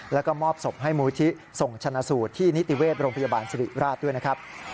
แล้วก็มอบศพให้มูลที่ส่งชนะสูตรที่นิติเวชโรงพยาบาลสิริราชด้วยนะครับ